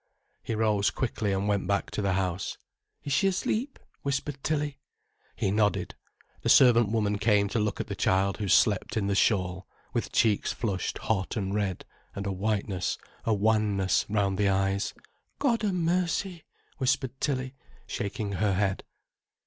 He rose quickly and went back to the house. "Is she asleep?" whispered Tilly. He nodded. The servant woman came to look at the child who slept in the shawl, with cheeks flushed hot and red, and a whiteness, a wanness round the eyes. "God a mercy!" whispered Tilly, shaking her head.